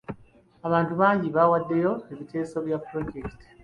Abantu bangi baawaddeyo ebiteeso bya pulojekiti.